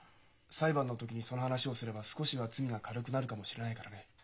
裁判の時にその話をすれば少しは罪が軽くなるかもしれないからね。